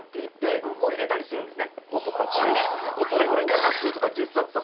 ５冊とか１０冊とか。